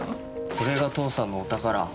これが父さんのお宝。